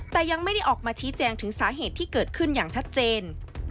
แต่ยังไม่ได้ออกมาชี้แจงถึงสาเหตุที่เกิดขึ้นอย่างชัดเจน